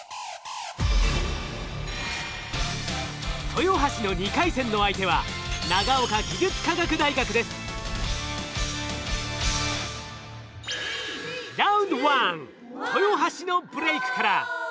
豊橋の２回戦の相手は豊橋のブレイクから。